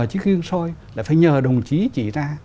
chiếc gương soi phải nhờ đồng chí chỉ ra